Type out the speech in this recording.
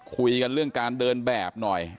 คุยกันเรื่องการเดินแบบหน่อย